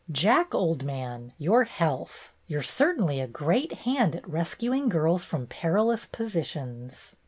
"Jack, old man, your health! You're certainly a great hand at rescuing girls from perilous positions."